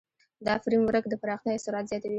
دا فریم ورک د پراختیا سرعت زیاتوي.